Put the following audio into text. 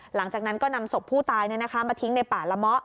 หลังจากนั้นก็นำศพผู้ตายมาทิ้งในป่าละเมาะ